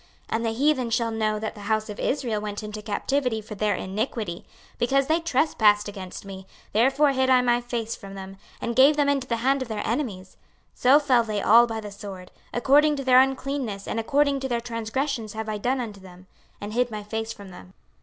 26:039:023 And the heathen shall know that the house of Israel went into captivity for their iniquity: because they trespassed against me, therefore hid I my face from them, and gave them into the hand of their enemies: so fell they all by the sword. 26:039:024 According to their uncleanness and according to their transgressions have I done unto them, and hid my face from them.